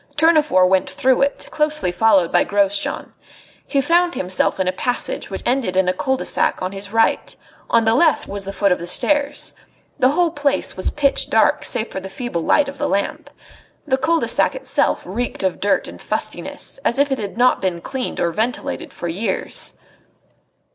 Tournefort went through it, closely followed by Grosjean. He found himself in a passage which ended in a cul de sac on his right; on the left was the foot of the stairs. The whole place was pitch dark save for the feeble light of the lamp. The cul de sac itself reeked of dirt and fustiness, as if it had not been cleaned or ventilated for years.